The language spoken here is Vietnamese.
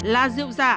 là rượu giả